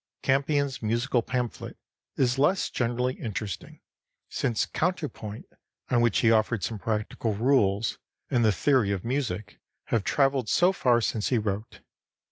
Campion's musical pamphlet is less generally interesting, since counterpoint, on which he offered some practical rules, and the theory of music, have traveled so far since he wrote.